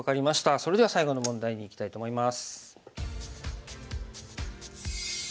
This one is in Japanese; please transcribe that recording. それでは最後の問題にいきたいと思います。